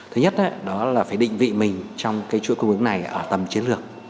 thứ nhất đó là phải định vị mình trong chuỗi cung ứng này ở tầm chiến lược